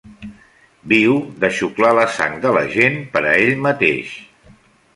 Viu de xuclar la sang de la gent per a ell mateix.